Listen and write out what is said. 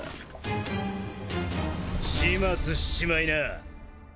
始末しちまいな。